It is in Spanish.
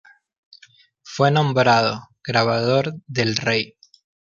Fue nombrado ""grabador del rey"".